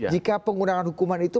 jika penggunaan hukuman itu